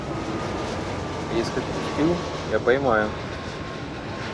А если впустил, я поймаю.